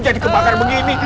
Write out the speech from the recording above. jadi kebakar begini